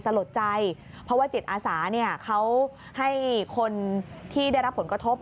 สลดใจเพราะว่าจิตอาสาเขาให้คนที่ได้รับผลกระทบ